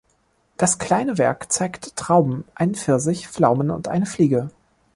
Das kleine Werk zeigt Trauben, einen Pfirsich, Pflaumen und eine Fliege.